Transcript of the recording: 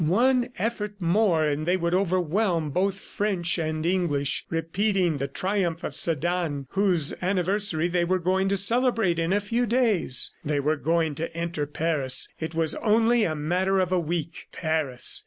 One effort more and they would overwhelm both French and English, repeating the triumph of Sedan, whose anniversary they were going to celebrate in a few days! They were going to enter Paris; it was only a matter of a week. Paris!